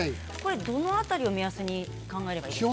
どの辺りを目安に考えればいいですか？